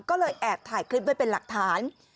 ก็เลยแอบถ่ายคลิปไว้เป็นหลักฐาน